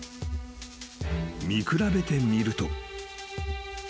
［見比べてみると］